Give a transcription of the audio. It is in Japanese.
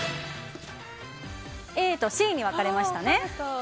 ＡとＣに分かれましたね。